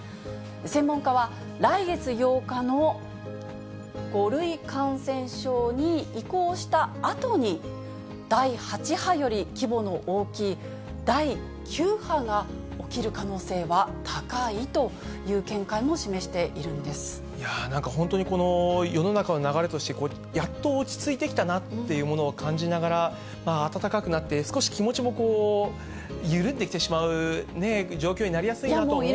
専門家は、来月８日の５類感染症に移行したあとに、第８波より規模の大きい第９波が起きる可能性は高いという見解もなんか本当に、この世の中の流れとして、やっと落ち着いてきたなというものを感じながら、暖かくなって、少し気持ちも緩んできてしまう状況になりやすいなと思うんですけ